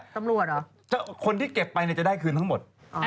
ตำรวจหรือเผื่อคนที่เก็บไปน่ะจะได้คืนทั้งหมด